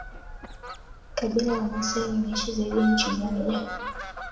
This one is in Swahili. Kabila la Masai linaishi zaidi ya nchi moja